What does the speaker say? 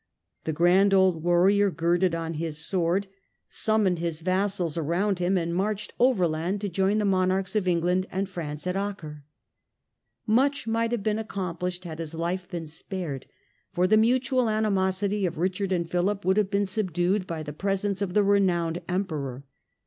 The grand old warrior girded on his sword, summoned 22 STUPOR MUNDI his vassals around him, and marched overland to join the monarchs of England and France at Acre. Much might have been accomplished had his life been spared, for the mutual animosity of Richard and Philip would have been subdued by the presence of the renowned Emperor.